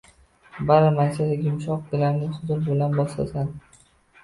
Barra maysadek yumshoq gilamni huzur bilan bosasan